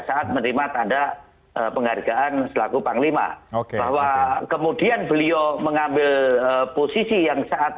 saat menerima tanda penghargaan selaku panglima bahwa kemudian beliau mengambil posisi yang saat